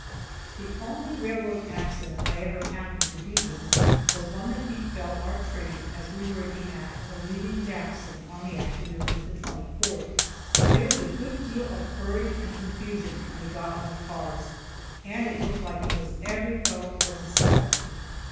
The only railroad accident I ever happened to be in was one that befell our train as we were in the act of leaving Jackson on the afternoon of the 24th. There was a good deal of hurry and confusion when we got on the cars, and it looked like it was every fellow for himself.